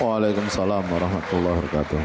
wa'alaikumsalam warahmatullahi wabarakatuh